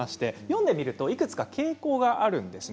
読んでみるといくつか傾向があります。